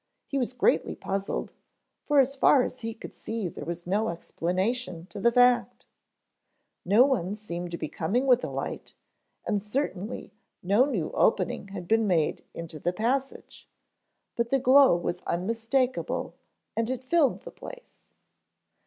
He was greatly puzzled, for as far as he could see there was no explanation to the fact. No one seemed to be coming with a light and certainly no new opening had been made into the passage, but the glow was unmistakable and it filled the place.